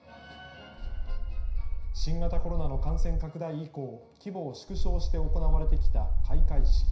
新型コロナの感染拡大以降、規模を縮小して行われてきた開会式。